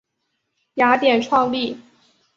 雅典创立。